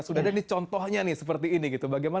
sudah ada nih contohnya nih seperti ini gitu